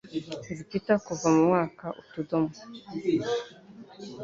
Nzi Peter kuva umwaka utudomo